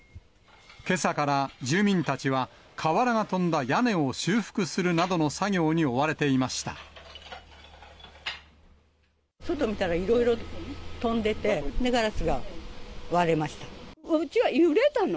けさから住民たちは瓦が飛んだ屋根を修復するなどの作業に追われ外見たらいろいろ飛んでて、うちは揺れたの。